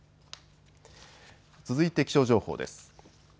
続いて気象情報です。